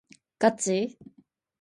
ガチ？